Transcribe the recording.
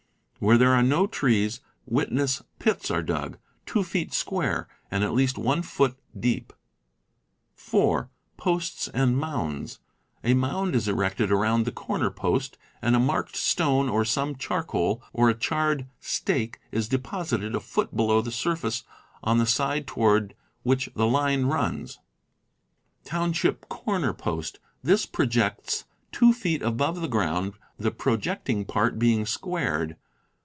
Where there are no trees, witness pits are dug, two feet square, and at least one foot deep. (4) Posts and mounds. A mound is erected around the corner post, and a marked stone, or some charcoal, or a charred stake, is deposited a foot below the sur face on the side toward which the line runs. Township Corner Post. — This projects two feet above the ground, the projecting part being squared.